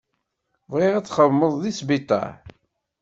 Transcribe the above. Bɣiɣ ad xedmeɣ deg sbiṭaṛ.